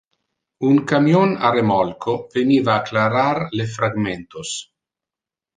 Un camion a remolco veniva a clarar le fragmentos.